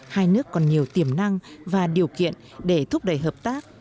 hai nước còn nhiều tiềm năng và điều kiện để thúc đẩy hợp tác